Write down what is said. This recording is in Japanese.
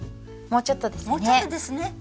もうちょっとですね。